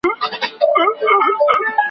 د الوتکې انجنونه اوس مړه شوي دي.